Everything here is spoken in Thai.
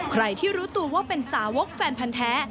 ใครที่รู้ตัวว่าเป็นสาวกแฟนพันธ์แท้